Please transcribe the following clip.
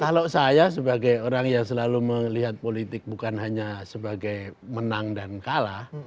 kalau saya sebagai orang yang selalu melihat politik bukan hanya sebagai menang dan kalah